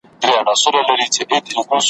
د اشرف البلاد ادبي بابا